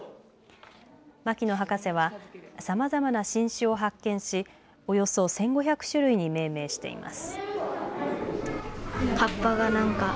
牧野博士はさまざまな新種を発見し、およそ１５００種類に命名しています。